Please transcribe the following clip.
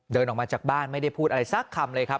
เดินออกมาจากบ้านไม่ได้พูดอะไรสักคำเลยครับ